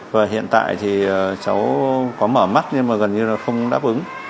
và hiện tại thì cháu có mở mắt nhưng mà gần như là không đáp ứng